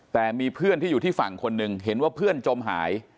แต่มีเพื่อนที่อยู่ที่ฝั่งคนหนึ่งเห็นว่าเพื่อนจมหาย